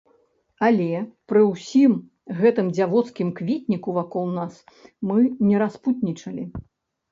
Але пры ўсім гэтым дзявоцкім кветніку вакол нас, мы не распуснічалі.